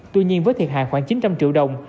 tuy nhiên với thiệt hại khoảng chín trăm linh triệu đồng